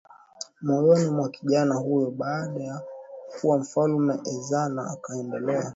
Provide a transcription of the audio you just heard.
moyoni mwa kijana huyo Baada ya kuwa mfalme Ezana akaendelea